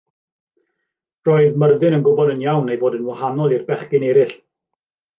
Roedd Myrddin yn gwybod yn iawn ei fod yn wahanol i'r bechgyn eraill.